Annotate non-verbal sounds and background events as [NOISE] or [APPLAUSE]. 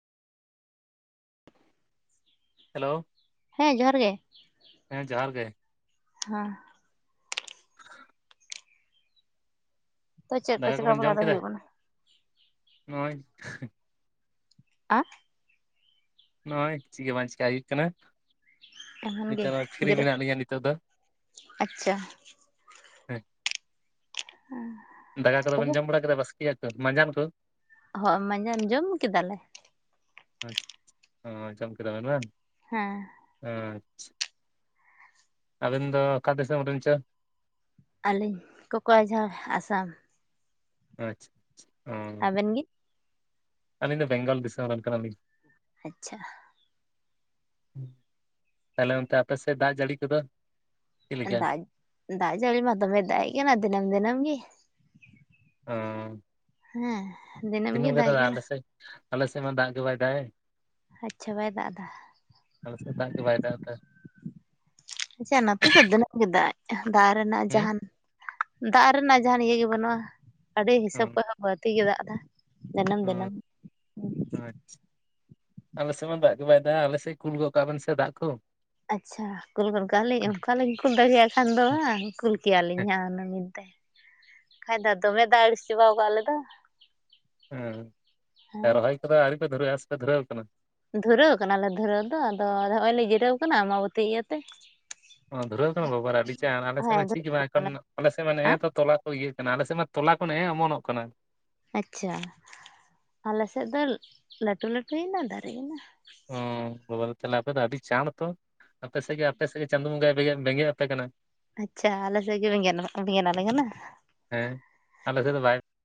Hello ᱦᱮᱸ ᱡᱚᱦᱟᱨ ᱜᱮ ᱦᱮᱸ ᱡᱚᱦᱟᱨ ᱜᱮ ᱦᱮᱸ [INAUDIBLE] ᱛᱚ ᱪᱮᱫ ᱠᱚ ᱫᱟᱠᱟ ᱪᱮᱠᱟ ᱠᱚᱵᱤᱱ ᱵᱟᱲᱟ ᱡᱚᱢ ᱫᱚ ᱠᱮᱫᱟ ᱦᱩᱭᱩᱜ ᱠᱟᱱᱟ ᱱᱚᱜ-ᱚᱭ ᱟ ᱱᱚᱜᱼᱚᱭ ᱪᱮᱫ ᱜᱤ ᱵᱟᱝ ᱪᱤᱠᱟᱭ ᱦᱩᱭᱩᱜ ᱠᱟᱱᱟ ᱮᱢᱚᱱ ᱱᱤᱛᱚᱜ ᱢᱟ ᱯᱷᱨᱤ ᱢᱮᱱᱟᱜ ᱞᱤᱧᱟᱹ ᱱᱤᱛᱚᱜ ᱫᱚ ᱟᱪᱷᱟ ᱦᱮᱸ ᱞ [INAUDIBLE] ᱫᱟᱠᱟ ᱠᱚᱫᱚ ᱵᱮᱱ ᱡᱚᱢ ᱵᱟᱲᱟ ᱠᱮᱫᱟ ᱵᱟᱥᱠᱮ ᱭᱟᱜ ᱠᱚ ᱢᱟᱸᱡᱟᱱ ᱠᱚ ᱦᱳᱭ ᱢᱟᱡᱟᱱ ᱡᱚᱢ ᱠᱮᱫᱟ ᱞᱮ, ᱟᱪᱷᱟ ᱪᱟ ᱡᱚᱢ ᱠᱮᱫᱟ ᱵᱮᱱ ᱵᱟᱝ ᱦᱮᱸ ᱟᱪᱪᱷᱟ ᱟᱹᱵᱤᱱ ᱫᱚ ᱚᱠᱟ ᱫᱤᱥᱚᱢ ᱨᱮᱱ ᱪᱚ ᱟᱹᱞᱤᱧ ᱠᱚᱠᱚᱭ ᱡᱷᱟ ᱟᱥᱟᱢ ᱟᱪᱷᱟ ᱪᱷᱟ ᱚ ᱟᱵᱮᱱ ᱜᱮ ᱟᱞᱤᱧ ᱫᱚ ᱵᱮᱝᱜᱚᱞ ᱫᱤᱥᱚᱢ ᱨᱮᱱ ᱠᱟᱱᱟ ᱞᱤᱧ ᱟᱪᱪᱷᱟ ᱛᱟᱦᱚᱞᱮ ᱚᱱᱛᱮ ᱟᱯᱮ ᱥᱮᱫ ᱫᱟᱜ ᱡᱟᱹᱲᱤ ᱠᱚᱫᱚ ᱪᱮᱫ ᱞᱮᱠᱟ ᱫᱟᱜ ᱫᱟᱜ ᱡᱟᱞᱤ ᱢᱟ ᱫᱚᱢᱮ ᱫᱟᱭᱴᱜ ᱮᱜ ᱠᱟᱱᱟ ᱫᱤᱱᱟᱹᱢ ᱫᱤᱱᱟᱹᱢ ᱜᱮ ᱚᱸ ᱦᱮᱸ ᱫᱤᱱᱟᱹᱢ ᱜᱮ ᱫᱟᱜ ᱮᱜ [UNINTELLIGIBLE] ᱠᱟᱱᱟ ᱟᱞᱮ ᱥᱮᱫ ᱟᱞᱮ ᱥᱮᱫ ᱢᱟ ᱫᱟᱜ ᱜᱮ ᱵᱟᱭ ᱫᱟᱜ ᱮᱜ ᱟᱪᱪᱷᱟ ᱵᱟᱭ ᱫᱟᱜ ᱫᱟ ᱟᱞᱮ ᱥᱮᱫ ᱫᱟᱜ ᱜᱮ ᱵᱟᱭ ᱫᱟᱜ ᱮᱫᱟ ᱟᱪᱪᱷᱟ ᱱᱚᱛᱮ ᱫᱚ ᱫᱤᱱᱟᱹᱢ ᱜᱮ ᱫᱟᱜ ᱫᱟᱜ ᱨᱮᱱᱟᱜ ᱦᱩᱸ ᱡᱟᱦᱟᱱ ᱫᱟᱜ ᱨᱮᱱᱟᱜ ᱡᱟᱦᱟᱸ ᱱᱤᱭᱟᱹ ᱜᱮ ᱵᱟᱹᱱᱩᱜ-ᱟ ᱟᱹᱰᱤ ᱦᱤᱥᱟᱹᱵ ᱠᱷᱚᱱ ᱵᱟᱹᱲᱛᱤ ᱜᱮ ᱫᱟᱜ ᱮᱫᱟ ᱫᱤᱱᱟᱹᱢ ᱫᱤᱱᱟᱹᱢ ᱦᱚᱸ ᱦᱩᱸ ᱟᱪᱪᱷᱟ ᱟᱞᱮᱥᱮᱫ ᱢᱟ ᱫᱟᱜ ᱜᱮ ᱵᱟᱭ ᱫᱟᱜ ᱟᱞᱮ ᱥᱮᱫ ᱠᱩᱞ ᱜᱚᱫ ᱠᱟᱜ ᱵᱤᱱ ᱥᱮ ᱫᱟᱜ ᱠᱚ ᱟᱪᱪᱷᱟ ᱠᱩᱞ ᱜᱚᱫ ᱠᱟᱜᱞᱤᱧ ᱦᱮᱸ, ᱚᱱᱠᱟᱞᱤᱧ ᱠᱩᱞ ᱫᱟᱲᱮᱭᱟᱜ ᱠᱷᱟᱱ ᱫᱚ ᱵᱟᱝ ᱠᱩᱞ ᱠᱮᱭᱟᱞᱤᱧ ᱦᱟᱸᱜ ᱚᱱᱟ ᱢᱤᱫ ᱛᱮ ᱠᱷᱟᱡ ᱫᱚ ᱫᱚᱢᱮ ᱫᱟᱜ ᱟᱲᱤᱥ ᱪᱟᱵᱟ ᱟᱠᱟᱜ ᱟᱞᱮ ᱫᱚ ᱦᱮᱸ ᱦᱮᱸ᱾ ᱨᱚᱦᱚᱭ ᱠᱚᱫᱚ ᱟᱹᱣᱨᱤ ᱯᱮ ᱫᱷᱩᱨᱟᱹᱣ ᱟᱥᱮ ᱯᱮ ᱫᱷᱩᱨᱟᱹᱣ ᱟᱠᱟᱱᱟ ᱫᱷᱩᱨᱟᱹᱣ ᱠᱟᱱᱟᱞᱮ ᱫᱷᱩᱨᱟᱹᱣ ᱫᱚ ᱟᱫᱚ ᱱᱚᱜ-ᱚᱭ ᱞᱮ ᱡᱤᱨᱟᱹᱣ ᱠᱟᱱᱟ ᱟᱢᱟᱵᱚᱛᱤ ᱤᱭᱟᱹᱛᱮ ᱚ ᱫᱷᱩᱨᱟᱹᱣ ᱠᱟᱱᱟ ᱵᱟᱵᱟᱨ ᱟᱹᱰᱤ ᱪᱟᱹᱲ ᱟᱞᱮᱥᱮᱫ ᱦᱮᱸ ᱢᱟ ᱪᱮᱫ ᱜᱮ ᱫᱷᱩᱨᱟᱹᱣ ᱵᱟᱜ ᱮᱠᱷᱚᱱ ᱠᱟᱱᱟᱞᱮ ᱟᱞᱮᱥᱮᱫ ᱢᱟ ᱱᱮᱜ-ᱮ ᱦᱟᱸᱜ ᱛᱚ ᱛᱚᱞᱟ ᱠᱚ ᱤᱭᱟᱹ ᱠᱟᱱᱟ ᱟᱞᱮᱥᱮᱫ ᱢᱟ ᱛᱚᱞᱟ ᱠᱷᱚᱱ ᱱᱮᱜ-ᱮ ᱚᱢᱚᱱᱚᱜ ᱠᱟᱱᱟ ᱟᱪᱪᱷᱟ ᱟᱞᱮᱥᱮᱫ ᱫᱚ ᱞᱟᱹᱴᱩ ᱞᱟᱹᱴᱩᱭᱮᱱᱟ ᱫᱟᱨᱮᱱᱟ ᱚᱸ ᱵᱟᱵᱟᱨᱮ ᱛᱟᱦᱮ ᱟᱯᱮ ᱫᱚ ᱟᱹᱰᱤ ᱪᱟᱹᱲ ᱛᱚ ᱟᱯᱮᱥᱮᱫ ᱜᱮ ᱟᱯᱮᱥᱮᱫ ᱜᱮ ᱪᱟᱸᱫᱚ ᱵᱚᱸᱜᱟᱭ ᱵᱮᱸᱜᱮᱫ ᱟᱯᱮ ᱠᱟᱱᱟ ᱟᱪᱪᱷᱟ ᱟᱞᱮ ᱥᱮᱫ ᱜᱮ ᱵᱮᱸᱱ ᱵᱮᱸᱜᱮᱫ ᱟᱞᱮ ᱠᱟᱱᱟ ᱦᱮᱸ ᱟᱞᱮ ᱥᱮᱫ ᱫᱚ ᱵᱟᱭ